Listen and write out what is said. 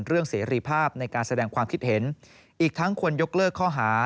เสรีภาพในการแสดงความคิดเห็นอีกทั้งควรยกเลิกข้อหา